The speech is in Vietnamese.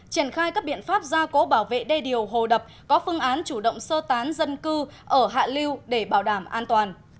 triển khai các biện pháp gia cố bảo vệ đê điều hồ đập có phương án chủ động sơ tán dân cư ở hạ lưu để bảo đảm an toàn